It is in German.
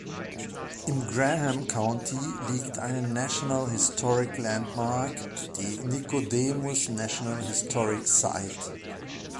Im Graham County liegt eine National Historic Landmark, die Nicodemus National Historic Site.